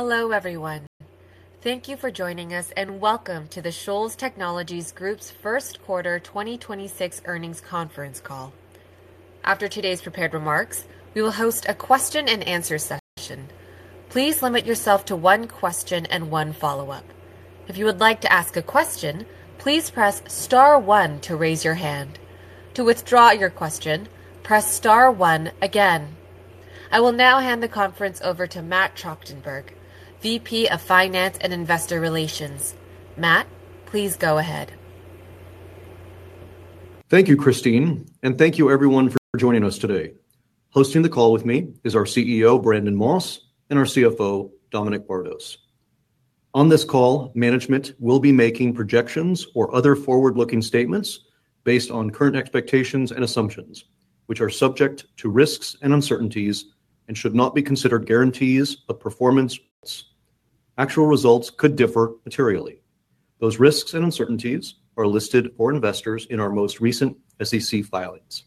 Hello, everyone. Thank you for joining us, and welcome to the Shoals Technologies Group's first quarter 2026 earnings conference call. After today's prepared remarks, we will host a question-and-answer session. Please limit yourself to one question and one follow-up. If you would like to ask a question, please press star one to raise your hand. To withdraw your question, press star one again. I will now hand the conference over to Matt Tractenberg, VP of Finance and Investor Relations. Matt, please go ahead. Thank you, Christine, and thank you everyone for joining us today. Hosting the call with me is our CEO, Brandon Moss, and our CFO, Dominic Bardos. On this call, management will be making projections or other forward-looking statements based on current expectations and assumptions, which are subject to risks and uncertainties and should not be considered guarantees of performance. Actual results could differ materially. Those risks and uncertainties are listed for investors in our most recent SEC filings.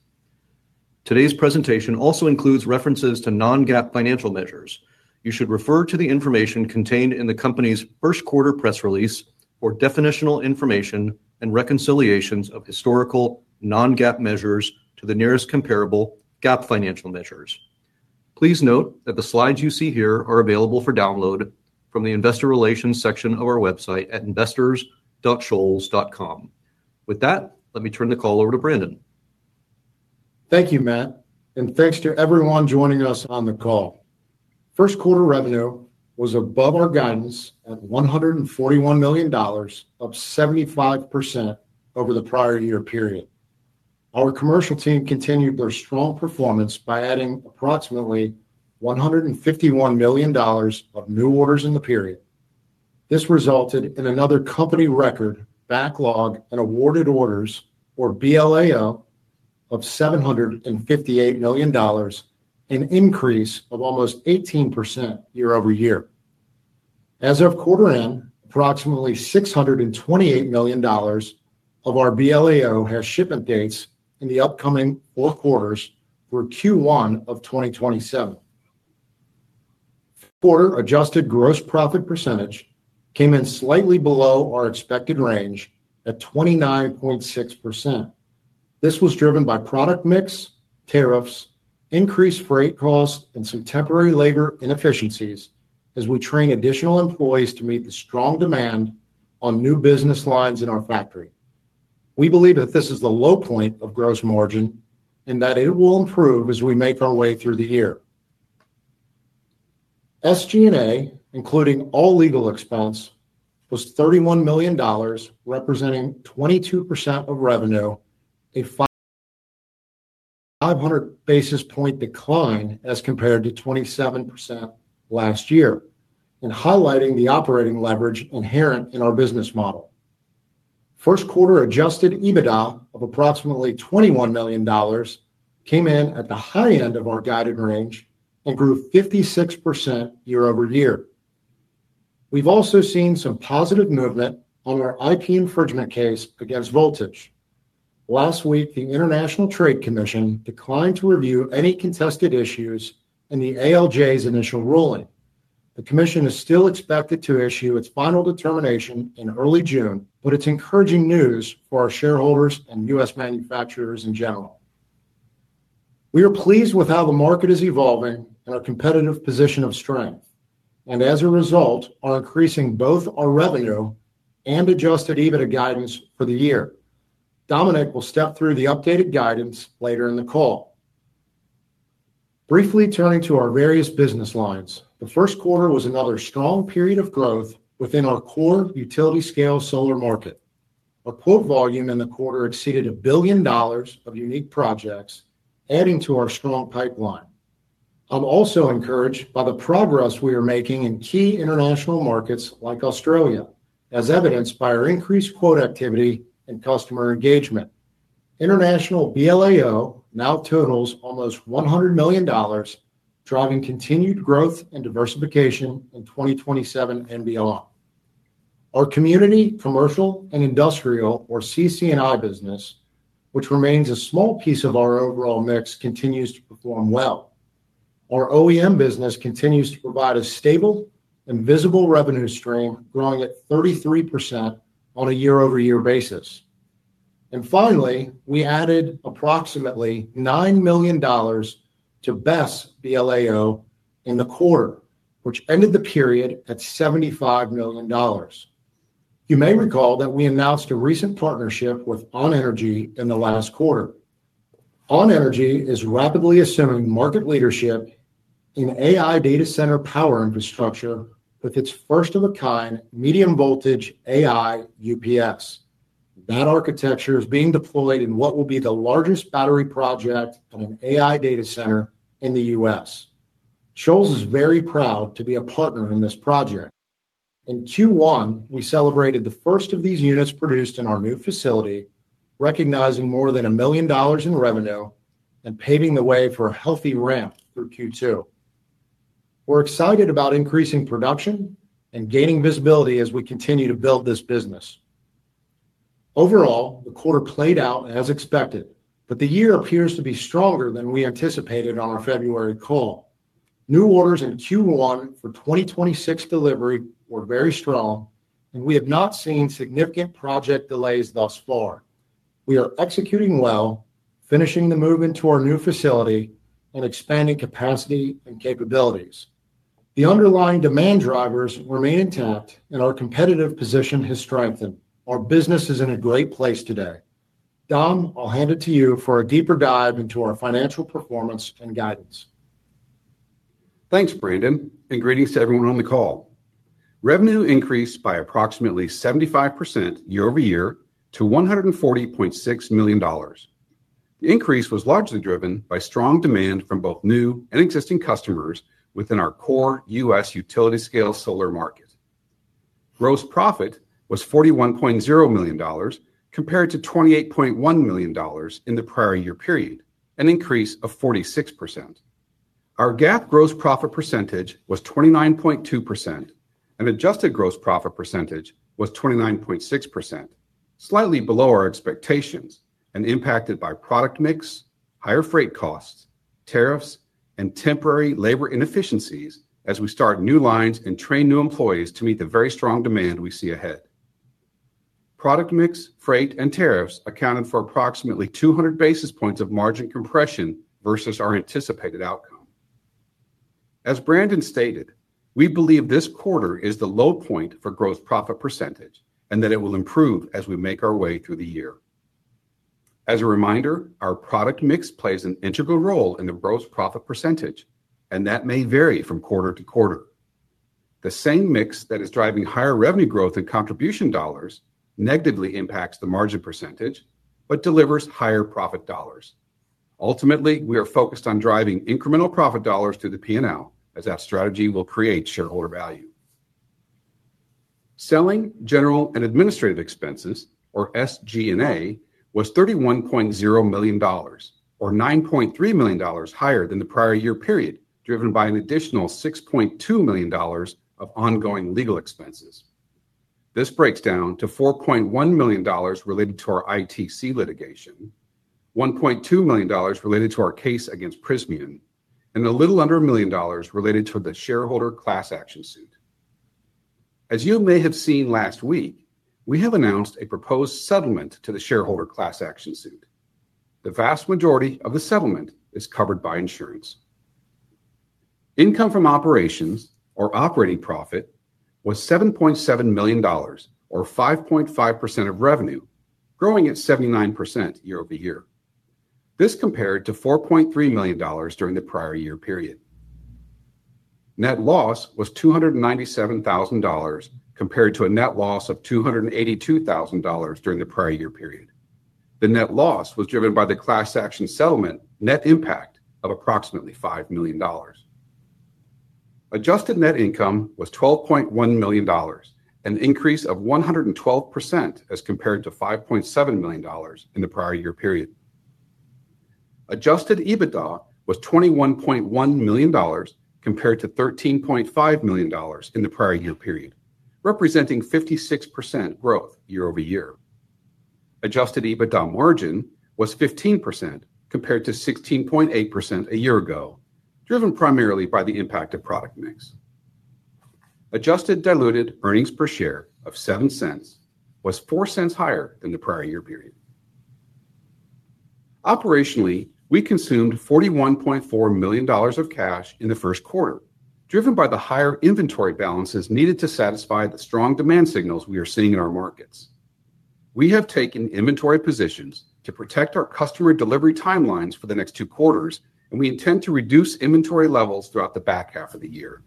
Today's presentation also includes references to non-GAAP financial measures. You should refer to the information contained in the company's first quarter press release for definitional information and reconciliations of historical non-GAAP measures to the nearest comparable GAAP financial measures. Please note that the slides you see here are available for download from the investor relations section of our website at investors.shoals.com. With that, let me turn the call over to Brandon. Thank you, Matt, and thanks to everyone joining us on the call. First quarter revenue was above our guidance at $141 million of 75% over the prior year period. Our commercial team continued their strong performance by adding approximately $151 million of new orders in the period. This resulted in another company record backlog and awarded orders or BLAO of $758 million, an increase of almost 18% year-over-year. As of quarter end, approximately $628 million of our BLAO has shipment dates in the upcoming four quarters through Q1 of 2027. Quarter adjusted gross profit percentage came in slightly below our expected range at 29.6%. This was driven by product mix, tariffs, increased freight costs, and some temporary labor inefficiencies as we train additional employees to meet the strong demand on new business lines in our factory. We believe that this is the low point of gross margin and that it will improve as we make our way through the year. SG&A, including all legal expense, was $31 million, representing 22% of revenue, a 500 basis point decline as compared to 27% last year and highlighting the operating leverage inherent in our business model. First quarter adjusted EBITDA of approximately $21 million came in at the high end of our guided range and grew 56% year-over-year. We've also seen some positive movement on our IP infringement case against Voltage. Last week, the International Trade Commission declined to review any contested issues in the ALJ's initial ruling. The commission is still expected to issue its final determination in early June, but it's encouraging news for our shareholders and U.S. manufacturers in general. We are pleased with how the market is evolving and our competitive position of strength, and as a result, are increasing both our revenue and adjusted EBITDA guidance for the year. Dominic will step through the updated guidance later in the call. Briefly turning to our various business lines. The first quarter was another strong period of growth within our core utility scale solar market. Our quote volume in the quarter exceeded $1 billion of unique projects, adding to our strong pipeline. I'm also encouraged by the progress we are making in key international markets like Australia, as evidenced by our increased quote activity and customer engagement. International BLAO now totals almost $100 million, driving continued growth and diversification in 2027 and beyond. Our community, commercial, and industrial, or CC&I business, which remains a small piece of our overall mix, continues to perform well. Our OEM business continues to provide a stable and visible revenue stream, growing at 33% on a year-over-year basis. Finally, we added approximately $9 million to BESS BLAO in the quarter, which ended the period at $75 million. You may recall that we announced a recent partnership with ON.energy in the last quarter. ON.energy is rapidly assuming market leadership in AI data center power infrastructure with its first of a kind medium voltage AI UPS. That architecture is being deployed in what will be the largest battery project on an AI data center in the U.S. Shoals is very proud to be a partner in this project. In Q1, we celebrated the first of these units produced in our new facility, recognizing more than $1 million in revenue and paving the way for a healthy ramp through Q2. We're excited about increasing production and gaining visibility as we continue to build this business. Overall, the quarter played out as expected, but the year appears to be stronger than we anticipated on our February call. New orders in Q1 for 2026 delivery were very strong, and we have not seen significant project delays thus far. We are executing well, finishing the move into our new facility and expanding capacity and capabilities. The underlying demand drivers remain intact and our competitive position has strengthened. Our business is in a great place today. Dom, I'll hand it to you for a deeper dive into our financial performance and guidance. Thanks, Brandon, and greetings to everyone on the call. Revenue increased by approximately 75% year-over-year to $140.6 million. The increase was largely driven by strong demand from both new and existing customers within our core U.S. utility scale solar market. Gross profit was $41.0 million compared to $28.1 million in the prior year period, an increase of 46%. Our GAAP gross profit percentage was 29.2% and adjusted gross profit percentage was 29.6%, slightly below our expectations and impacted by product mix, higher freight costs, tariffs, and temporary labor inefficiencies as we start new lines and train new employees to meet the very strong demand we see ahead. Product mix, freight, and tariffs accounted for approximately 200 basis points of margin compression versus our anticipated outcome. As Brandon stated, we believe this quarter is the low point for gross profit percentage. It will improve as we make our way through the year. As a reminder, our product mix plays an integral role in the gross profit percentage. That may vary from quarter to quarter. The same mix that is driving higher revenue growth and contribution dollars negatively impacts the margin percentage but delivers higher profit dollars. Ultimately, we are focused on driving incremental profit dollars through the P&L as that strategy will create shareholder value. Selling, General and Administrative expenses, or SG&A, was $31.0 million, or $9.3 million higher than the prior year period, driven by an additional $6.2 million of ongoing legal expenses. This breaks down to $4.1 million related to our ITC litigation, $1.2 million related to our case against Prysmian, and a little under $1 million related to the shareholder class action suit. As you may have seen last week, we have announced a proposed settlement to the shareholder class action suit. The vast majority of the settlement is covered by insurance. Income from operations or operating profit was $7.7 million or 5.5% of revenue, growing at 79% year-over-year. This compared to $4.3 million during the prior year period. Net loss was $297,000 compared to a net loss of $282,000 during the prior year period. The net loss was driven by the class action settlement net impact of approximately $5 million. Adjusted net income was $12.1 million, an increase of 112% as compared to $5.7 million in the prior year period. Adjusted EBITDA was $21.1 million compared to $13.5 million in the prior year period, representing 56% growth year-over-year. Adjusted EBITDA margin was 15% compared to 16.8% a year ago, driven primarily by the impact of product mix. Adjusted diluted earnings per share of $0.07 was $0.04 higher than the prior year period. Operationally, we consumed $41.4 million of cash in the first quarter, driven by the higher inventory balances needed to satisfy the strong demand signals we are seeing in our markets. We have taken inventory positions to protect our customer delivery timelines for the next two quarters, and we intend to reduce inventory levels throughout the back half of the year.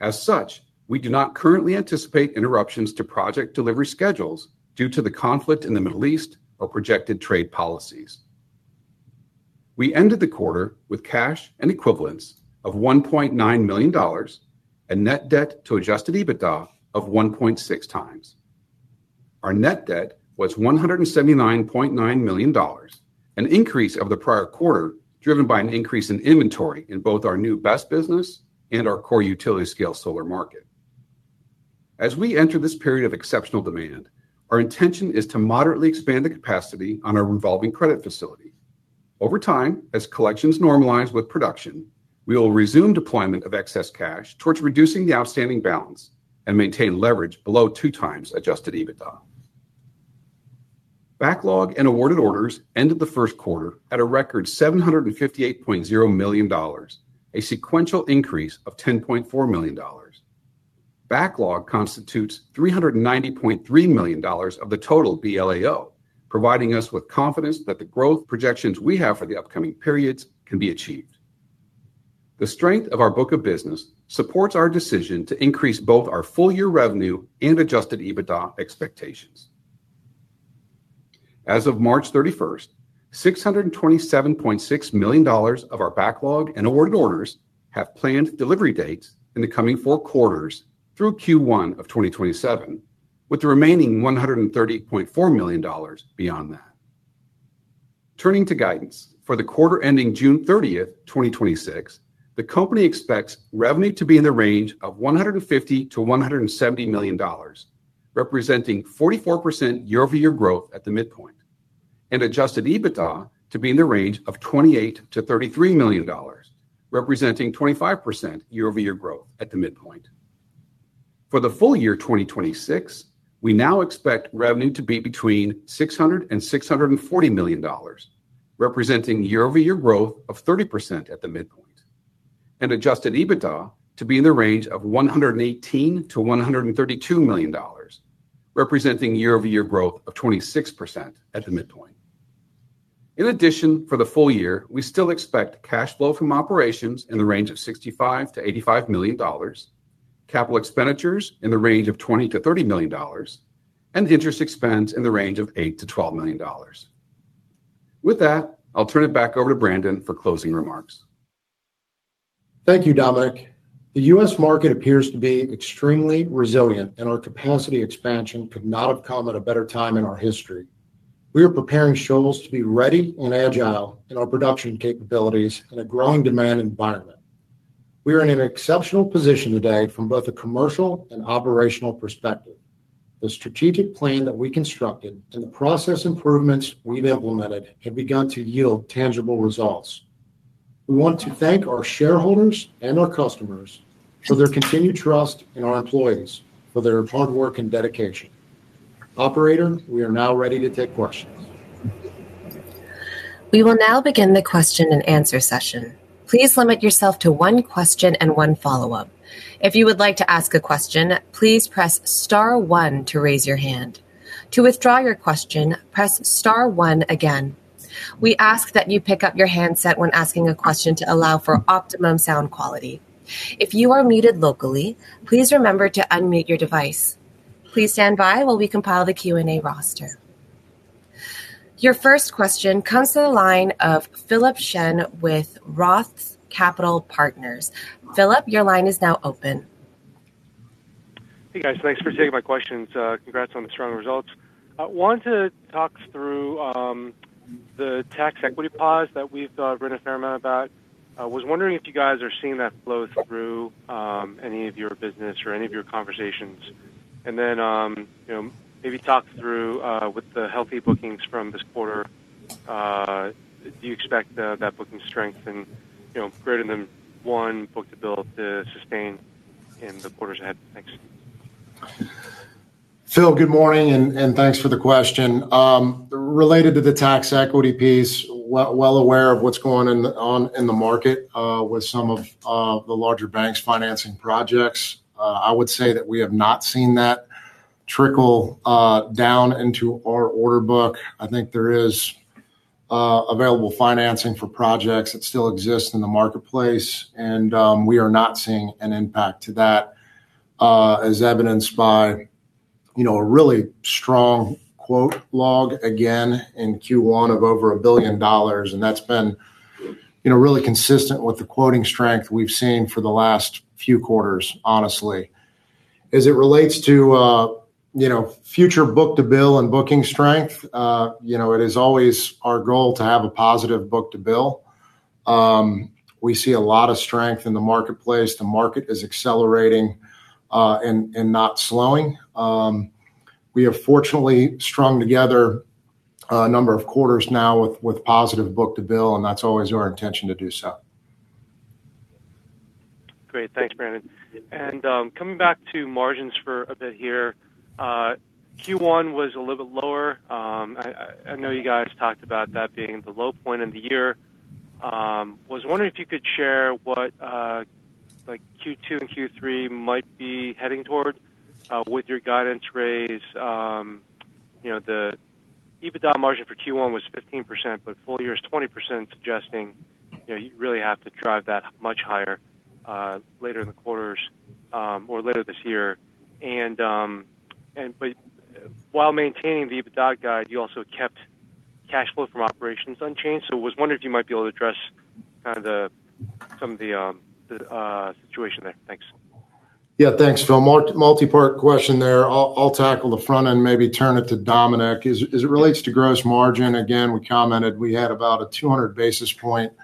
As such, we do not currently anticipate interruptions to project delivery schedules due to the conflict in the Middle East or projected trade policies. We ended the quarter with cash and equivalents of $1.9 million and net debt to adjusted EBITDA of 1.6x. Our net debt was $179.9 million, an increase of the prior quarter, driven by an increase in inventory in both our new BESS business and our core utility scale solar market. As we enter this period of exceptional demand, our intention is to moderately expand the capacity on our revolving credit facility. Over time, as collections normalize with production, we will resume deployment of excess cash towards reducing the outstanding balance and maintain leverage below 2x adjusted EBITDA. Backlog and awarded orders ended the first quarter at a record $758.0 million, a sequential increase of $10.4 million. Backlog constitutes $390.3 million of the total BLAO, providing us with confidence that the growth projections we have for the upcoming periods can be achieved. The strength of our book of business supports our decision to increase both our full year revenue and adjusted EBITDA expectations. As of March 31st, $627.6 million of our backlog and awarded orders have planned delivery dates in the coming four quarters through Q1 of 2027, with the remaining $130.4 million beyond that. Turning to guidance. For the quarter ending June 30th, 2026, the company expects revenue to be in the range of $150 million-$170 million, representing 44% year-over-year growth at the midpoint, and Adjusted EBITDA to be in the range of $28 million-$33 million, representing 25% year-over-year growth at the midpoint. For the full year 2026, we now expect revenue to be between $600 million and $640 million, representing year-over-year growth of 30% at the midpoint. Adjusted EBITDA to be in the range of $118 million-$132 million, representing year-over-year growth of 26% at the midpoint. In addition, for the full year, we still expect cash flow from operations in the range of $65 million-$85 million, capital expenditures in the range of $20 million-$30 million, and interest expense in the range of $8 million-$12 million. With that, I'll turn it back over to Brandon for closing remarks. Thank you, Dominic. The U.S. market appears to be extremely resilient, and our capacity expansion could not have come at a better time in our history. We are preparing Shoals to be ready and agile in our production capabilities in a growing demand environment. We are in an exceptional position today from both a commercial and operational perspective. The strategic plan that we constructed and the process improvements we've implemented have begun to yield tangible results. We want to thank our shareholders and our customers for their continued trust in our employees, for their hard work and dedication. Operator, we are now ready to take questions. We will now begin the question-and-answer session. Please limit yourself to one question and one follow-up. If you would like to ask a question, please press star one to raise your hand. To withdraw your question, press star one again. We ask that you pick up your handset when asking a question to allow for optimum sound quality. If you are muted locally, please remember to unmute your device. Please stand by while we compile the Q&A roster. Your first question comes to the line of Philip Shen with Roth Capital Partners. Philip, your line is now open. Hey, guys. Thanks for taking my questions. Congrats on the strong results. I want to talk through the tax equity pause that we've read a fair amount about. Was wondering if you guys are seeing that flow through any of your business or any of your conversations. You know, maybe talk through with the healthy bookings from this quarter, do you expect that booking strength and, you know, greater than one book to bill to sustain in the quarters ahead? Thanks. Philip, good morning, and thanks for the question. Related to the tax equity piece, well aware of what's going on in the market with some of the larger banks financing projects. I would say that we have not seen that trickle down into our order book. I think there is available financing for projects that still exist in the marketplace, and we are not seeing an impact to that, as evidenced by, you know, a really strong quote log again in Q1 of over $1 billion. That's been, you know, really consistent with the quoting strength we've seen for the last few quarters, honestly. As it relates to, you know, future book to bill and booking strength, you know, it is always our goal to have a positive book to bill. We see a lot of strength in the marketplace. The market is accelerating and not slowing. We have fortunately strung together a number of quarters now with positive book to bill, and that's always our intention to do so. Great. Thanks, Brandon. Coming back to margins for a bit here, Q1 was a little bit lower. I know you guys talked about that being the low point in the year. Was wondering if you could share what like Q2 and Q3 might be heading toward with your guidance rates. You know, the EBITDA margin for Q1 was 15%, but full year is 20%, suggesting, you know, you really have to drive that much higher later in the quarters or later this year. While maintaining the EBITDA guide, you also kept cash flow from operations unchanged. I was wondering if you might be able to address kind of the some of the situation there. Thanks. Yeah. Thanks, Phil. Multi-part question there. I'll tackle the front and maybe turn it to Dominic. As it relates to gross margin, again, we commented we had about a 200 basis point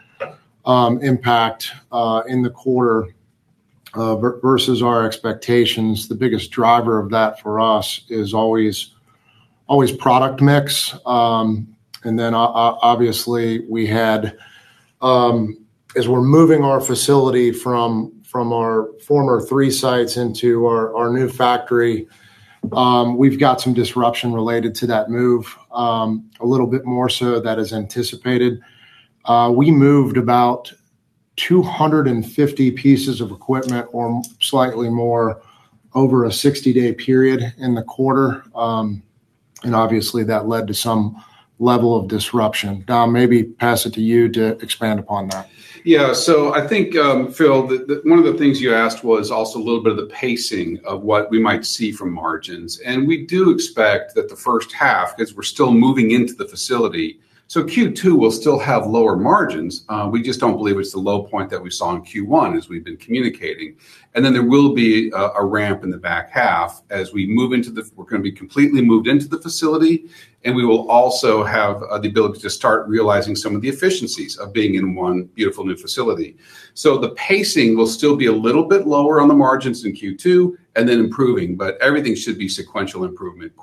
impact in the quarter versus our expectations. The biggest driver of that for us is always product mix. Obviously, we had, as we're moving our facility from our former three sites into our new factory, we've got some disruption related to that move, a little bit more so that is anticipated. We moved about 250 pieces of equipment or slightly more over a 60-day period in the quarter. Obviously, that led to some level of disruption. Dom, maybe pass it to you to expand upon that. I think, Phil, one of the things you asked was also a little bit of the pacing of what we might see from margins. We do expect that the first half, 'cause we're still moving into the facility, so Q2 will still have lower margins. We just don't believe it's the low point that we saw in Q1 as we've been communicating. There will be a ramp in the back half as we move into the we're gonna be completely moved into the facility, and we will also have the ability to start realizing some of the efficiencies of being in one beautiful new facility. The pacing will still be a little bit lower on the margins in Q2 and then improving, but everything should be sequential improvement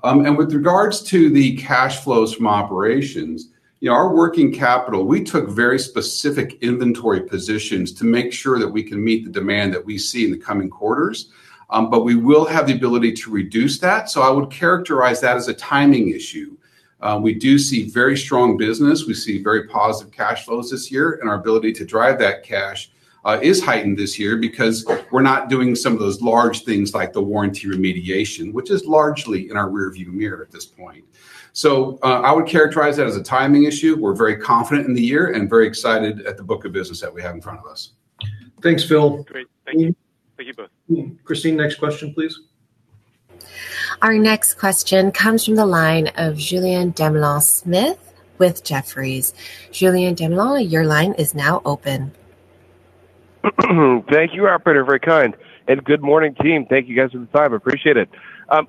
quarter-over-quarter. With regards to the cash flows from operations, you know, our working capital, we took very specific inventory positions to make sure that we can meet the demand that we see in the coming quarters. We will have the ability to reduce that. I would characterize that as a timing issue. We do see very strong business. We see very positive cash flows this year, and our ability to drive that cash is heightened this year because we're not doing some of those large things like the warranty remediation, which is largely in our rearview mirror at this point. I would characterize that as a timing issue. We're very confident in the year and very excited at the book of business that we have in front of us. Thanks, Phil. Great. Thank you. Thank you both. Christine, next question, please. Our next question comes from the line of Julien Dumoulin-Smith with Jefferies. Julien Dumoulin, your line is now open. Thank you, operator. Very kind. Good morning, team. Thank you guys for the time. Appreciate it.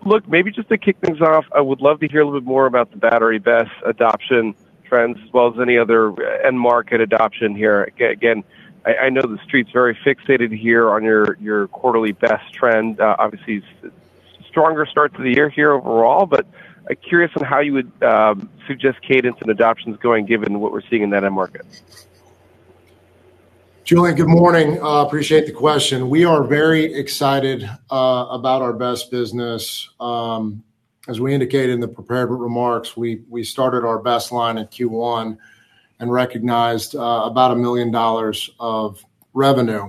Look, maybe just to kick things off, I would love to hear a little bit more about the battery BESS adoption trends as well as any other end market adoption here. Again, I know the street's very fixated here on your quarterly BESS trend. Obviously stronger start to the year here overall, but I'm curious on how you would suggest cadence and adoption's going given what we're seeing in that end market. Julien, good morning. Appreciate the question. We are very excited about our BESS business. As we indicated in the prepared remarks, we started our BESS line in Q1 and recognized about $1 million of revenue.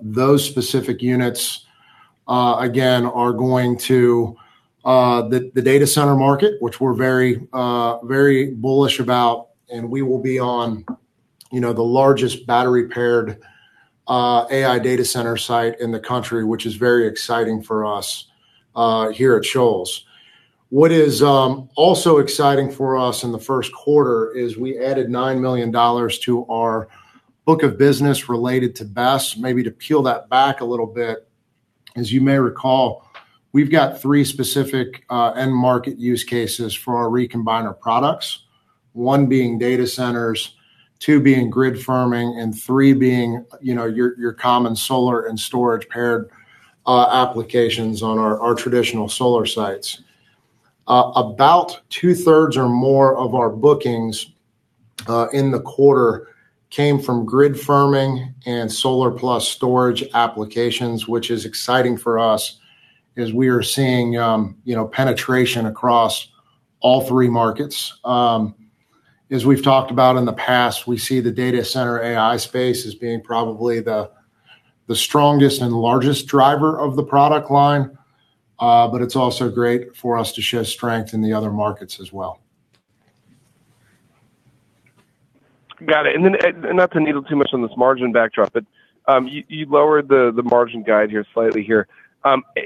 Those specific units again are going to the data center market, which we're very bullish about, and we will be on, you know, the largest battery-paired AI data center site in the country, which is very exciting for us here at Shoals. What is also exciting for us in the first quarter is we added $9 million to our book of business related to BESS. Maybe to peel that back a little bit, as you may recall, we've got three specific end market use cases for our Recombiner products, one being data centers, two being grid firming, and three being your common solar and storage paired applications on our traditional solar sites. About 2/3 or more of our bookings in the quarter came from grid firming and solar plus storage applications, which is exciting for us as we are seeing penetration across all three markets. As we've talked about in the past, we see the data center AI space as being probably the strongest and largest driver of the product line. It's also great for us to show strength in the other markets as well. Got it. Not to needle too much on this margin backdrop, but you lowered the margin guide here slightly here.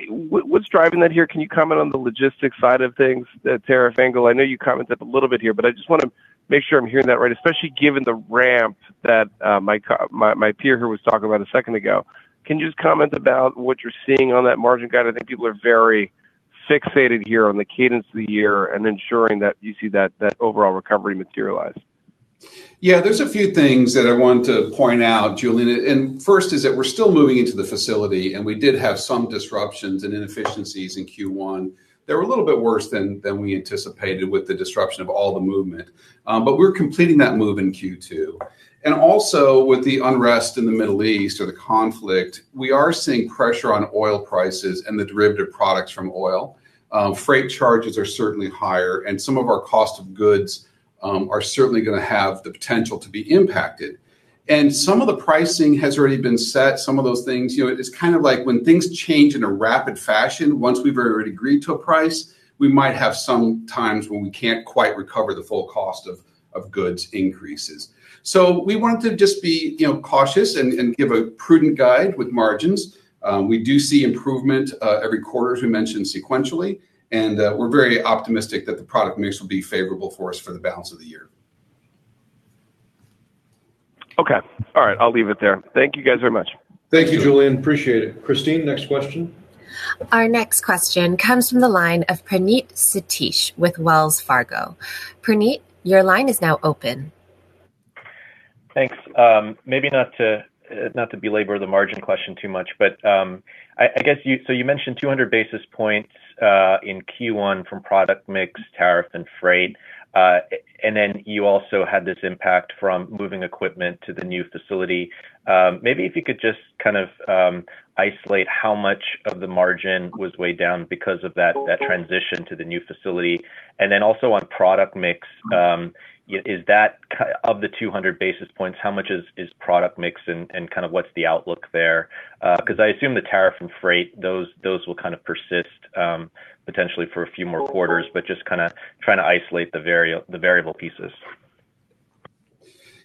What's driving that here? Can you comment on the logistics side of things, the tariff angle? I know you commented a little bit here, but I just want to make sure I'm hearing that right, especially given the ramp that my peer here was talking about a second ago. Can you just comment about what you're seeing on that margin guide? I think people are very fixated here on the cadence of the year and ensuring that you see that overall recovery materialize. Yeah, there's a few things that I want to point out, Julien. First is that we're still moving into the facility, and we did have some disruptions and inefficiencies in Q1. They were a little bit worse than we anticipated with the disruption of all the movement. We're completing that move in Q2. Also with the unrest in the Middle East or the conflict, we are seeing pressure on oil prices and the derivative products from oil. Freight charges are certainly higher, and some of our cost of goods are certainly gonna have the potential to be impacted. Some of the pricing has already been set. Some of those things, you know, it's kind of like when things change in a rapid fashion, once we've already agreed to a price, we might have some times when we can't quite recover the full cost of goods increases. We want to just be, you know, cautious and give a prudent guide with margins. We do see improvement every quarter, as we mentioned sequentially, and we're very optimistic that the product mix will be favorable for us for the balance of the year. Okay. All right, I'll leave it there. Thank you guys very much. Thank you, Julien. Appreciate it. Christine, next question. Our next question comes from the line of Praneeth Satish with Wells Fargo. Praneeth, your line is now open. Thanks. Maybe not to belabor the margin question too much, but you mentioned 200 basis points in Q1 from product mix, tariff, and freight. You also had this impact from moving equipment to the new facility. Maybe if you could just kind of isolate how much of the margin was weighed down because of that transition to the new facility. Also on product mix, of the 200 basis points, how much is product mix and kind of what's the outlook there? Because I assume the tariff and freight, those will kind of persist potentially for a few more quarters. Just kind of trying to isolate the variable pieces.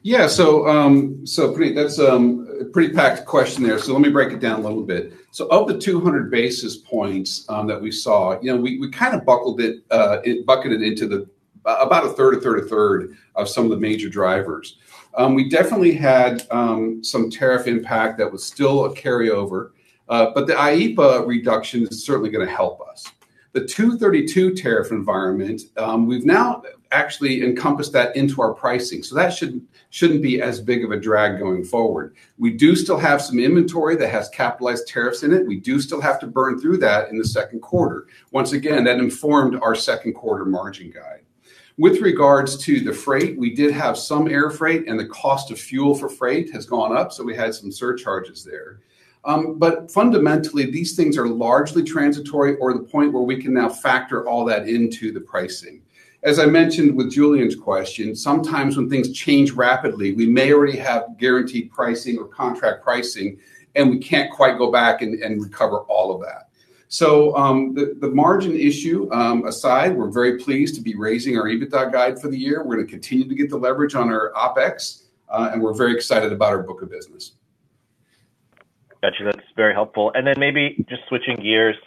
Yeah. Praneeth, that's a pretty packed question there, let me break it down a little bit. Of the 200 basis points that we saw, you know, we kind of bucketed it into about 1/3 of some of the major drivers. We definitely had some tariff impact that was still a carryover. The IEEPA reduction is certainly gonna help us. The Section 232 tariff environment, we've now actually encompassed that into our pricing. That shouldn't be as big of a drag going forward. We do still have some inventory that has capitalized tariffs in it. We do still have to burn through that in the second quarter. Once again, that informed our second quarter margin guide. With regards to the freight, we did have some air freight, and the cost of fuel for freight has gone up, so we had some surcharges there. Fundamentally, these things are largely transitory or the point where we can now factor all that into the pricing. As I mentioned with Julien's question, sometimes when things change rapidly, we may already have guaranteed pricing or contract pricing, and we can't quite go back and recover all of that. The margin issue aside, we're very pleased to be raising our EBITDA guide for the year. We're gonna continue to get the leverage on our OpEx, we're very excited about our book of business. Gotcha. That's very helpful. Maybe just switching gears,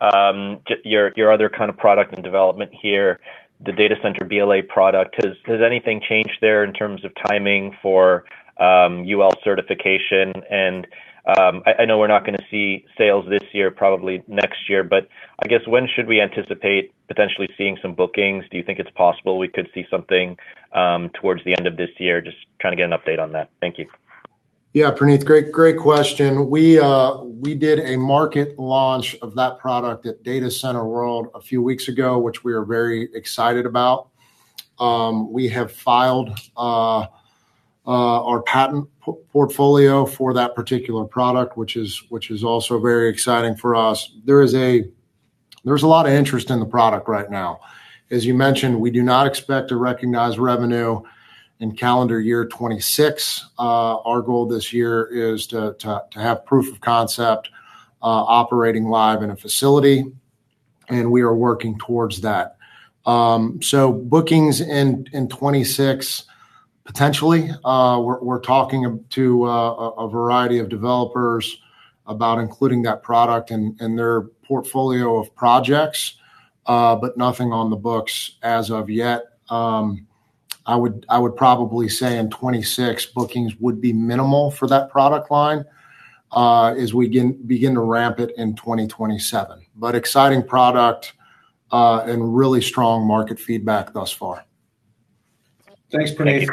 to your other kind of product and development here, the data center BLA product. Has anything changed there in terms of timing for UL certification? I know we're not gonna see sales this year, probably next year, but I guess when should we anticipate potentially seeing some bookings? Do you think it's possible we could see something towards the end of this year? Just trying to get an update on that. Thank you. Praneeth, great question. We did a market launch of that product at Data Center World a few weeks ago, which we are very excited about. We have filed our patent portfolio for that particular product, which is also very exciting for us. There's a lot of interest in the product right now. As you mentioned, we do not expect to recognize revenue in calendar year 2026. Our goal this year is to have proof of concept operating live in a facility, and we are working towards that. Bookings in 2026 potentially. We're talking to a variety of developers about including that product in their portfolio of projects, but nothing on the books as of yet. I would probably say in 2026 bookings would be minimal for that product line, as we begin to ramp it in 2027. Exciting product, and really strong market feedback thus far. Thanks, Praneeth.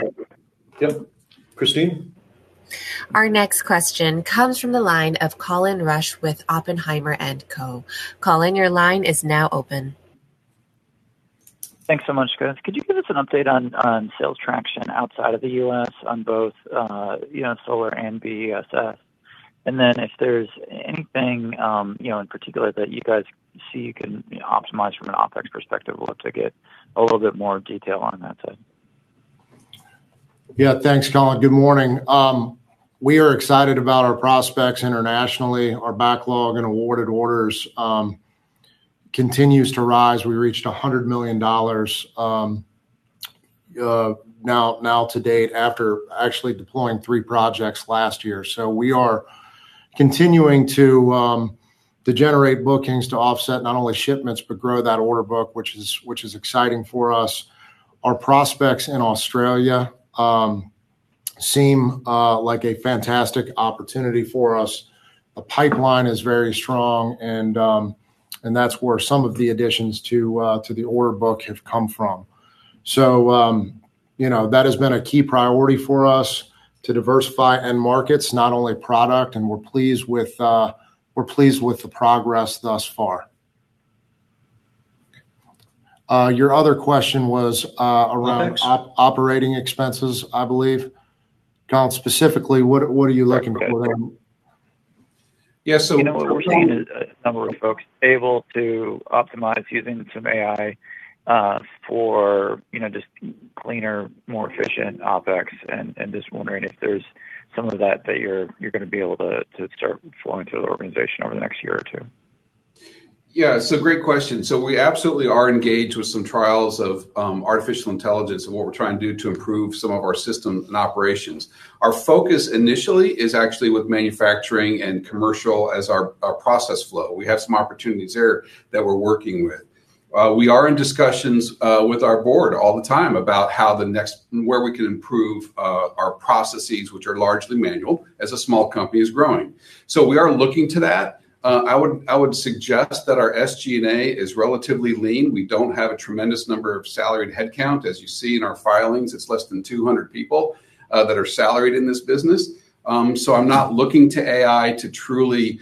Yep. Christine? Our next question comes from the line of Colin Rusch with Oppenheimer & Co. Colin, your line is now open. Thanks so much, guys. Could you give us an update on sales traction outside of the U.S. on both, you know, solar and BESS? Then if there's anything, you know, in particular that you guys see you can, you know, optimize from an OpEx perspective, love to get a little bit more detail on that side. Thanks, Colin. Good morning. We are excited about our prospects internationally. Our backlog and awarded orders continues to rise. We reached $100 million now to date after actually deploying three projects last year. We are continuing to generate bookings to offset not only shipments, but grow that order book, which is exciting for us. Our prospects in Australia seem like a fantastic opportunity for us. The pipeline is very strong. That's where some of the additions to the order book have come from. You know, that has been a key priority for us to diversify end markets, not only product. We're pleased with the progress thus far. Your other question was around operating expenses, I believe. Colin, specifically what are you looking for? Okay. Yeah. You know, we're seeing a number of folks able to optimize using some AI, for, you know, just cleaner, more efficient OpEx, and just wondering if there's some of that you're gonna be able to start flowing through the organization over the next year or two. Yeah. It's a great question. We absolutely are engaged with some trials of artificial intelligence and what we're trying to do to improve some of our systems and operations. Our focus initially is actually with manufacturing and commercial as our process flow. We have some opportunities there that we're working with. We are in discussions with our board all the time about where we can improve our processes, which are largely manual, as a small company is growing. We are looking to that. I would suggest that our SG&A is relatively lean. We don't have a tremendous number of salaried headcount. As you see in our filings, it's less than 200 people that are salaried in this business. I'm not looking to AI to truly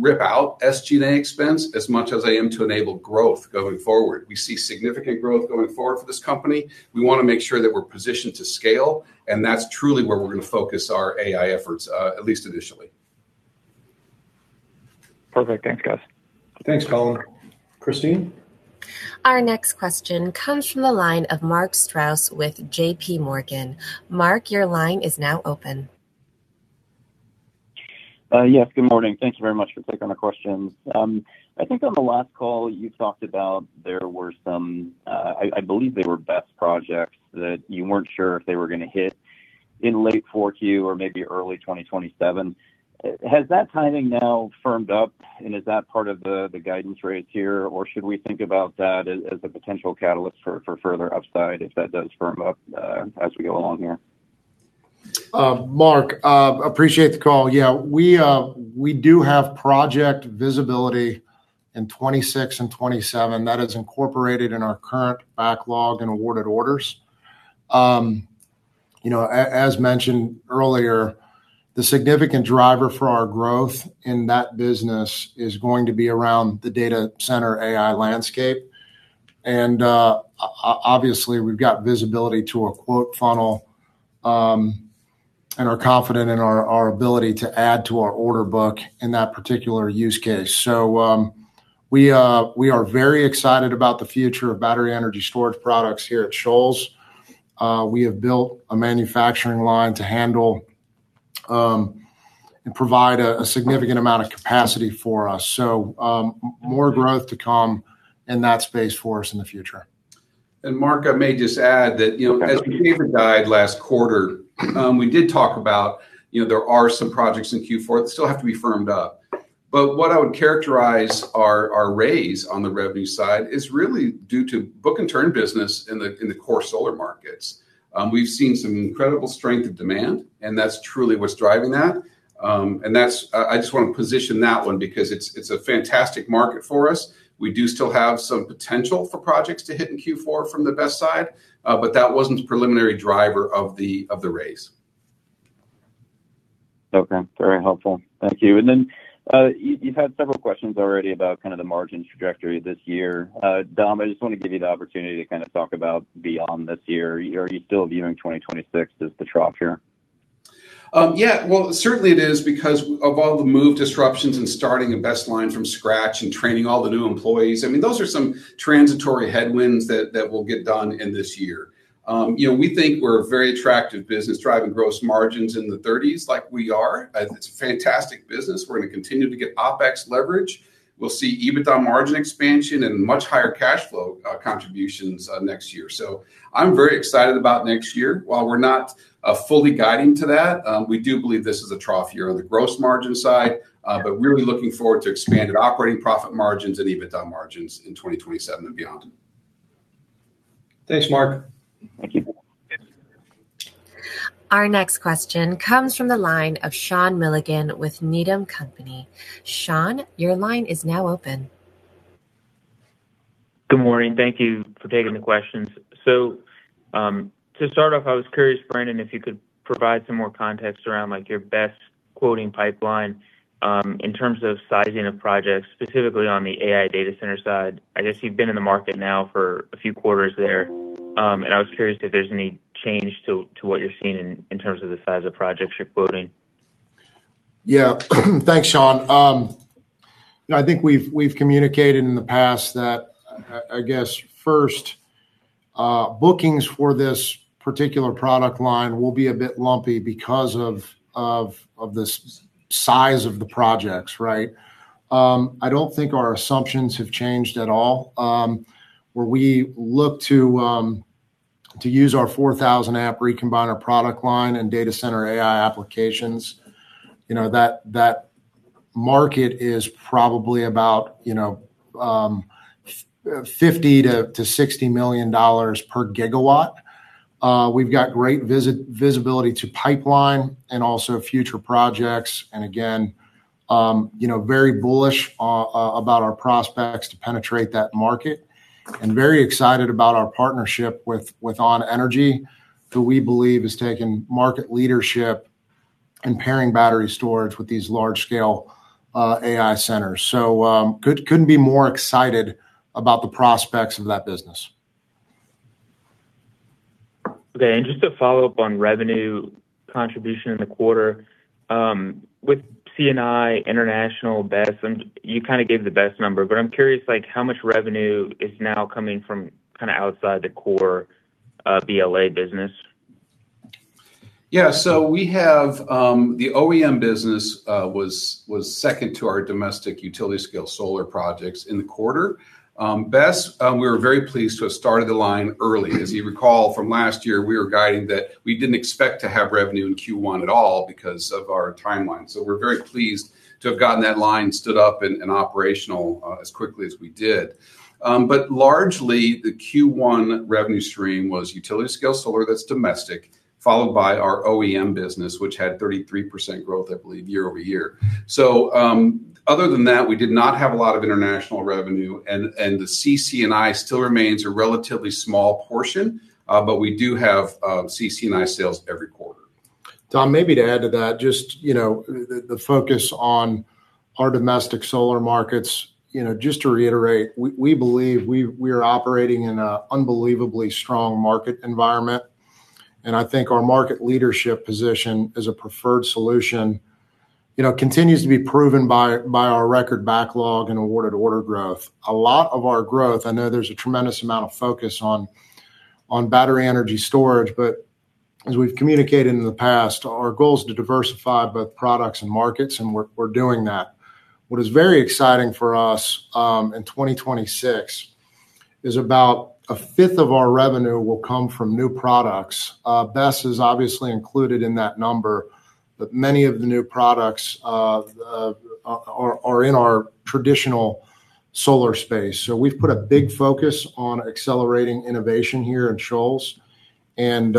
rip out SG&A expense as much as I am to enable growth going forward. We see significant growth going forward for this company. We wanna make sure that we're positioned to scale, that's truly where we're gonna focus our AI efforts, at least initially. Perfect. Thanks, guys. Thanks, Colin. Christine? Our next question comes from the line of Mark Strouse with JPMorgan. Mark, your line is now open. Yes. Good morning. Thank you very much for taking our questions. I think on the last call you talked about there were some, I believe they were BESS projects that you weren't sure if they were gonna hit in late 4Q or maybe early 2027. Has that timing now firmed up, and is that part of the guidance rates here, or should we think about that as a potential catalyst for further upside if that does firm up as we go along here? Mark, appreciate the call. We do have project visibility in 2026 and 2027 that is incorporated in our current backlog and awarded orders. You know, as mentioned earlier, the significant driver for our growth in that business is going to be around the data center AI landscape. Obviously, we've got visibility to a quote funnel and are confident in our ability to add to our order book in that particular use case. We are very excited about the future of battery energy storage products here at Shoals. We have built a manufacturing line to handle and provide a significant amount of capacity for us. More growth to come in that space for us in the future. Mark, I may just add that, you know, as we gave a guide last quarter, we did talk about, you know, there are some projects in Q4 that still have to be firmed up. What I would characterize our raise on the revenue side is really due to book and turn business in the core solar markets. We've seen some incredible strength of demand, and that's truly what's driving that. I just wanna position that one because it's a fantastic market for us. We do still have some potential for projects to hit in Q4 from the BESS side, but that wasn't the preliminary driver of the raise. Okay. Very helpful. Thank you. Then, you've had several questions already about kind of the margin trajectory this year. Dom, I just wanna give you the opportunity to kind of talk about beyond this year. Are you still viewing 2026 as the trough year? Well, certainly it is because of all the move disruptions and starting a BESS line from scratch and training all the new employees. I mean, those are some transitory headwinds that will get done in this year. You know, we think we're a very attractive business, driving gross margins in the 30s like we are. It's a fantastic business. We're gonna continue to get OpEx leverage. We'll see EBITDA margin expansion and much higher cash flow contributions next year. I'm very excited about next year. While we're not fully guiding to that, we do believe this is a trough year on the gross margin side. We're really looking forward to expanded operating profit margins and EBITDA margins in 2027 and beyond. Thanks, Mark. Thank you. Our next question comes from the line of Sean Milligan with Needham & Company. Sean, your line is now open. Good morning. Thank you for taking the questions. To start off, I was curious, Brandon, if you could provide some more context around, like, your BESS quoting pipeline in terms of sizing of projects, specifically on the AI data center side. I guess you've been in the market now for a few quarters there, and I was curious if there's any change to what you're seeing in terms of the size of projects you're quoting. Yeah. Thanks, Sean. you know, I think we've communicated in the past that I guess first, bookings for this particular product line will be a bit lumpy because of the size of the projects, right? I don't think our assumptions have changed at all. where we look to use our 4000A Recombiner product line and data center AI applications, you know, that market is probably about, you know, $50 million-$60 million per gigawatt. we've got great visibility to pipeline and also future projects. Again, you know, very bullish about our prospects to penetrate that market, and very excited about our partnership with ON.energy, who we believe is taking market leadership in pairing battery storage with these large scale AI centers. Couldn't be more excited about the prospects of that business. Okay. Just to follow up on revenue contribution in the quarter, with C&I international BESS, and you kinda gave the BESS number, but I'm curious, like, how much revenue is now coming from kinda outside the core BLA business? We have The OEM business was second to our domestic utility scale solar projects in the quarter. BESS, we were very pleased to have started the line early. As you recall from last year, we were guiding that we didn't expect to have revenue in Q1 at all because of our timeline. We're very pleased to have gotten that line stood up and operational as quickly as we did. Largely, the Q1 revenue stream was utility scale solar that's domestic, followed by our OEM business, which had 33% growth, I believe, year-over-year. Other than that, we did not have a lot of international revenue and the CC&I still remains a relatively small portion, we do have CC&I sales every quarter. Dom, maybe to add to that just, you know, the focus on our domestic solar markets. You know, just to reiterate, we believe we are operating in an unbelievably strong market environment, and I think our market leadership position as a preferred solution, you know, continues to be proven by our record backlog and awarded order growth. A lot of our growth, I know there's a tremendous amount of focus on battery energy storage, but as we've communicated in the past, our goal is to diversify both products and markets, and we're doing that. What is very exciting for us, in 2026 is about 1/5 of our revenue will come from new products. BESS is obviously included in that number, but many of the new products are in our traditional solar space. We've put a big focus on accelerating innovation here at Shoals and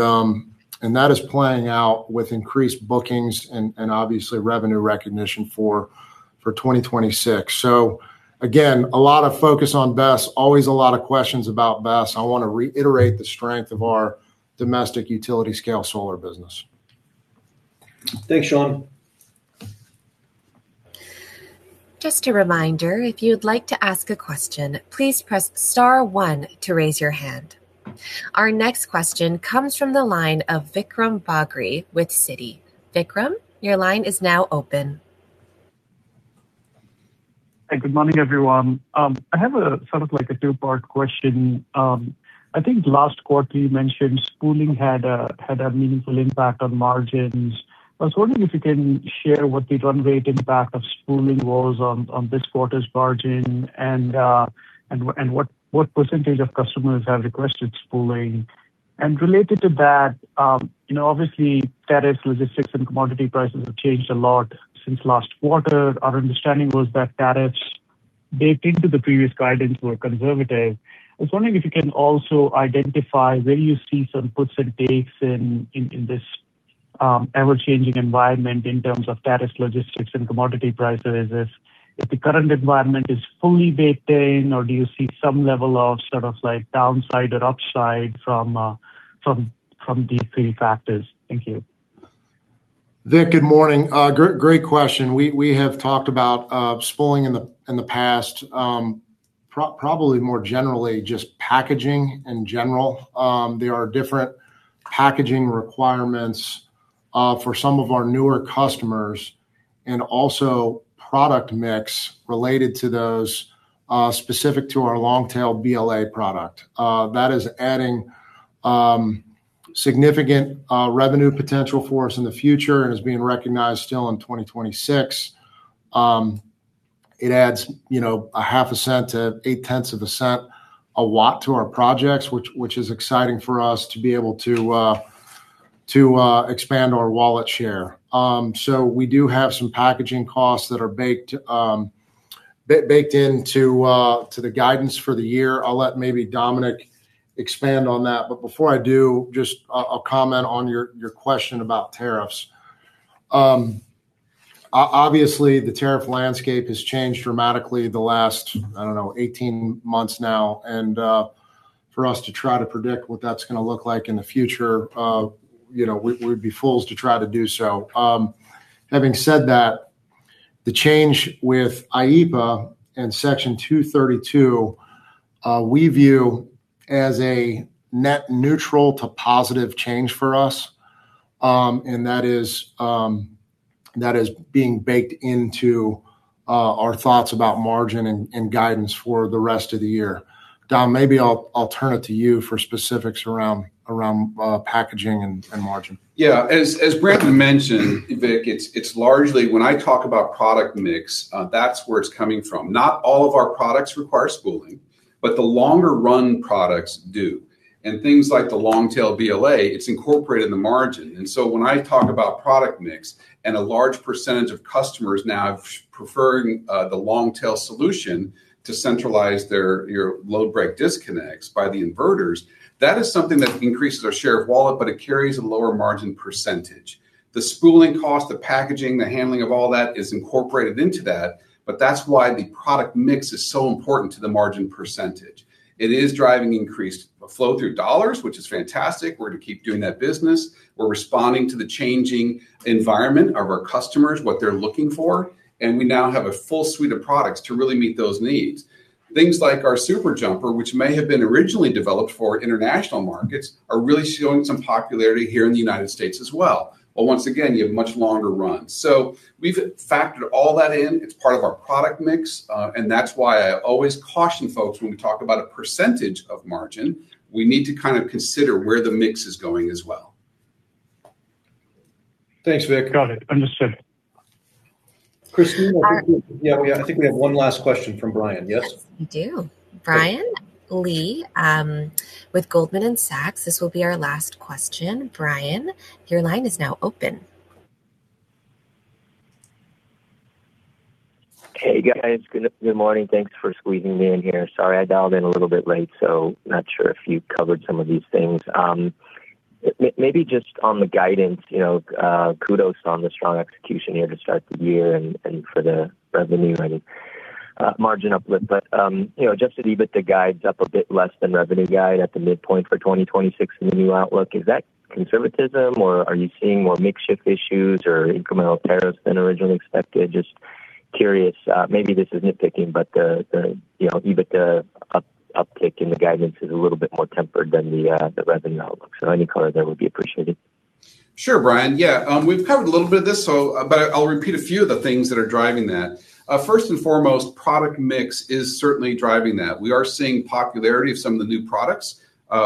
that is playing out with increased bookings and obviously revenue recognition for 2026. Again, a lot of focus on BESS, always a lot of questions about BESS. I wanna reiterate the strength of our domestic utility scale solar business. Thanks, Sean. Just a reminder, if you'd like to ask a question, please press star one to raise your hand. Our next question comes from the line of Vikram Bagri with Citi. Vikram, your line is now open. Hey, good morning, everyone. I have a sort of like a two-part question. I think last quarter you mentioned spooling had a meaningful impact on margins. I was wondering if you can share what the run rate impact of spooling was on this quarter's margin and what percentage of customers have requested spooling? Related to that, you know, obviously, tariffs, logistics, and commodity prices have changed a lot since last quarter. Our understanding was that tariffs baked into the previous guidance were conservative. I was wondering if you can also identify where you see some puts and takes in this ever-changing environment in terms of tariffs, logistics, and commodity prices. If the current environment is fully baked in, or do you see some level of sort of like downside or upside from these three factors? Thank you. Vik, good morning. Great question. We have talked about spooling in the past, probably more generally just packaging in general. There are different packaging requirements for some of our newer customers and also product mix related to those, specific to our Long Tail BLA product. That is adding significant revenue potential for us in the future and is being recognized still in 2026. It adds, you know, $0.005-$0.008 a watt to our projects, which is exciting for us to be able to expand our wallet share. We do have some packaging costs that are baked baked into to the guidance for the year. I'll let maybe Dominic expand on that. Before I do, I'll comment on your question about tariffs. Obviously, the tariff landscape has changed dramatically the last, I don't know, 18 months now. For us to try to predict what that's gonna look like in the future, you know, we'd be fools to try to do so. Having said that, the change with IEEPA and Section 232, we view as a net neutral to positive change for us. And that is being baked into our thoughts about margin and guidance for the rest of the year. Dom, maybe I'll turn it to you for specifics around packaging and margin. Yeah. As Brandon mentioned, Vik, it's largely when I talk about product mix, that's where it's coming from. Not all of our products require spooling, but the longer run products do. Things like the Long Tail BLA, it's incorporated in the margin. When I talk about product mix and a large percent of customers now have preferred the Long Tail solution to centralize their, your load break disconnects by the inverters, that is something that increases our share of wallet, but it carries a lower margin percent. The spooling cost, the packaging, the handling of all that is incorporated into that, but that's why the product mix is so important to the margin percent. It is driving increased flow through dollars, which is fantastic. We're to keep doing that business. We're responding to the changing environment of our customers, what they're looking for, and we now have a full suite of products to really meet those needs. Things like our SuperJumper, which may have been originally developed for international markets, are really showing some popularity here in the United States as well. Once again, you have much longer runs. We've factored all that in. It's part of our product mix. That's why I always caution folks when we talk about a percentage of margin, we need to kind of consider where the mix is going as well. Thanks, Vik. Got it. Understood. Christine. Yeah, I think we have one last question from Brian. Yes? Yes, we do. Brian Lee, with Goldman Sachs. This will be our last question. Brian, your line is now open. Hey, guys. Good morning. Thanks for squeezing me in here. Sorry, I dialed in a little bit late. Not sure if you covered some of these things. Maybe just on the guidance, you know, kudos on the strong execution here to start the year and for the revenue and margin uplift. You know, just the EBITDA guides up a bit less than revenue guide at the midpoint for 2026 in the new outlook. Is that conservatism or are you seeing more mix shift issues or incremental tariffs than originally expected? Just curious. Maybe this is nitpicking, the, you know, EBITDA uptick in the guidance is a little bit more tempered than the revenue outlook. Any color there would be appreciated. Sure, Brian. We've covered a little bit of this. I'll repeat a few of the things that are driving that. First and foremost, product mix is certainly driving that. We are seeing popularity of some of the new products,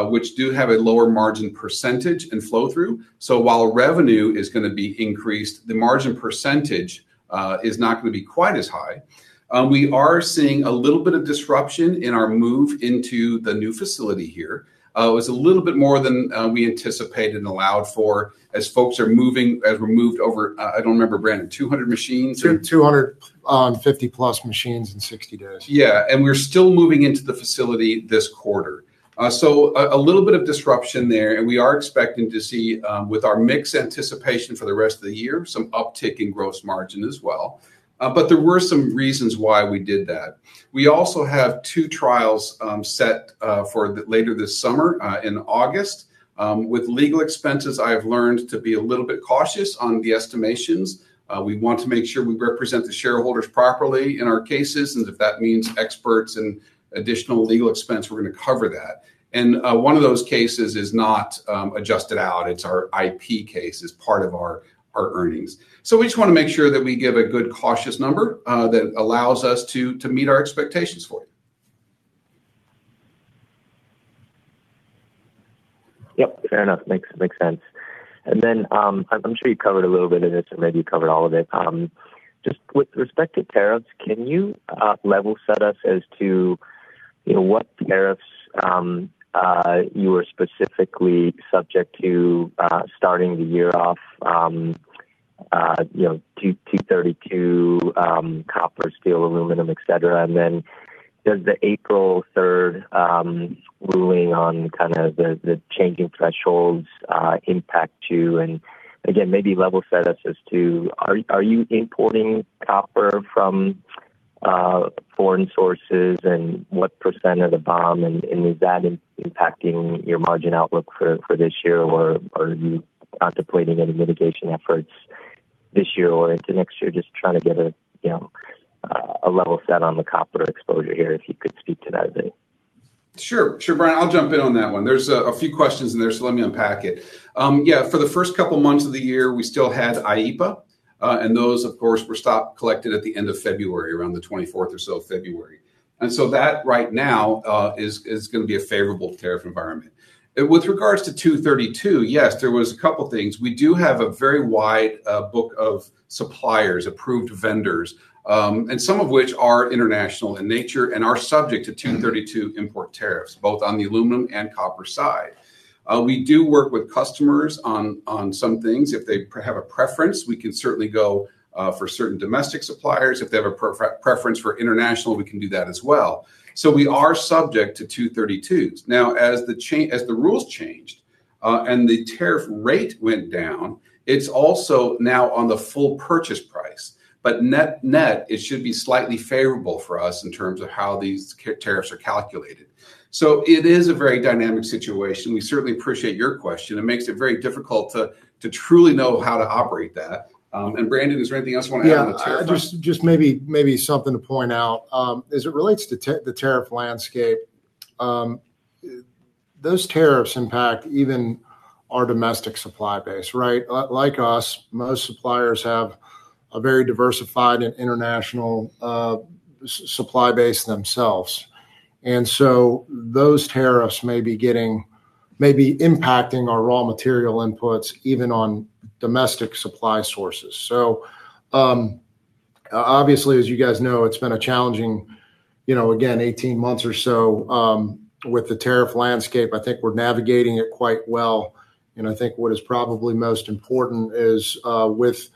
which do have a lower margin percentage and flow through. While revenue is going to be increased, the margin percentage is not going to be quite as high. We are seeing a little bit of disruption in our move into the new facility here. It was a little bit more than we anticipated and allowed for as we're moved over, I don't remember, Brandon, 200 machines. 250+ machines in 60 days. Yeah. We're still moving into the facility this quarter. So a little bit of disruption there, and we are expecting to see, with our mix anticipation for the rest of the year, some uptick in gross margin as well. There were some reasons why we did that. We also have two trials set for later this summer in August. With legal expenses, I have learned to be a little bit cautious on the estimations. We want to make sure we represent the shareholders properly in our cases, and if that means experts and additional legal expense, we're gonna cover that. One of those cases is not adjusted out. It's our IP case, it's part of our earnings. We just wanna make sure that we give a good cautious number, that allows us to meet our expectations for you. Yep. Fair enough. Makes sense. I'm sure you covered a little bit of this, or maybe you covered all of it. Just with respect to tariffs, can you level set us as to, you know, what tariffs you are specifically subject to starting the year off, you know, Section 232, copper, steel, aluminum, et cetera. Does the April 3rd ruling on kind of the changing thresholds impact you? Again, maybe level set us as to are you importing copper from foreign sources, and what percent of the BOM, and is that impacting your margin outlook for this year, or are you contemplating any mitigation efforts this year or into next year? Just trying to get a, you know, a level set on the copper exposure here, if you could speak to that a bit. Sure. Sure, Brian. I'll jump in on that one. There's a few questions in there. Let me unpack it. Yeah, for the first couple months of the year, we still had IEEPA, and those, of course, were stop collected at the end of February, around the 24th or so of February. That right now is gonna be a favorable tariff environment. With regards to Section 232, yes, there was a couple things. We do have a very wide book of suppliers, approved vendors, some of which are international in nature and are subject to Section 232 import tariffs, both on the aluminum and copper side. We do work with customers on some things. If they have a preference, we can certainly go for certain domestic suppliers. If they have a preference for international, we can do that as well. We are subject to Section 232's. Now, as the rules changed, and the tariff rate went down, it's also now on the full purchase price. Net, net, it should be slightly favorable for us in terms of how these tariffs are calculated. It is a very dynamic situation. We certainly appreciate your question. It makes it very difficult to truly know how to operate that. Brandon, is there anything else you wanna add on the tariff front? Yeah. Just maybe something to point out, as it relates to the tariff landscape, those tariffs impact even our domestic supply base, right? Like us, most suppliers have a very diversified and international supply base themselves. Those tariffs may be impacting our raw material inputs even on domestic supply sources. Obviously, as you guys know, it's been a challenging, you know, again, 18 months or so, with the tariff landscape. I think we're navigating it quite well. I think what is probably most important is with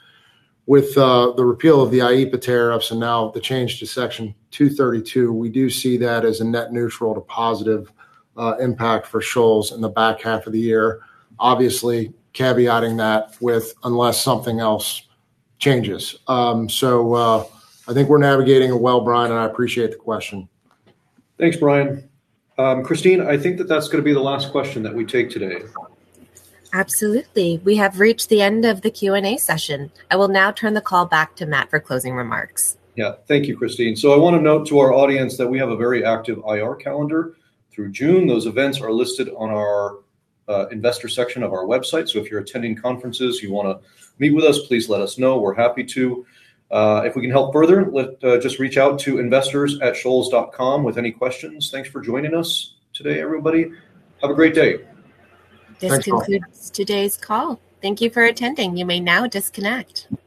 the repeal of the IEEPA tariffs and now the change to Section 232, we do see that as a net neutral to positive impact for Shoals in the back half of the year. Obviously, caveating that with unless something else changes. I think we're navigating it well, Brian, and I appreciate the question. Thanks, Brian. Christine, I think that that's gonna be the last question that we take today. Absolutely. We have reached the end of the Q&A session. I will now turn the call back to Matt for closing remarks. Yeah. Thank you, Christine. I wanna note to our audience that we have a very active IR calendar through June. Those events are listed on our investor section of our website. If you're attending conferences, you wanna meet with us, please let us know. We're happy to. If we can help further, just reach out to investors@shoals.com with any questions. Thanks for joining us today, everybody. Have a great day. Thanks all. This concludes today's call. Thank you for attending. You may now disconnect.